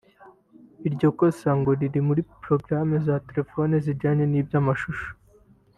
Iryo kosa ngo riri muri porogaramu za telefone zijyanye n’ibyamashusho